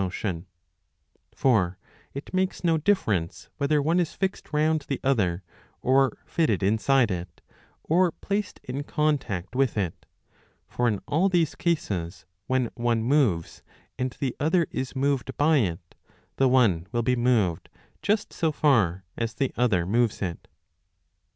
20 For it makes no difference whether one is fixed round the other or fitted inside it, or placed in contact with it ; for in all these cases, when one moves and the other is moved by it, the one will be moved just so far as the other moves it.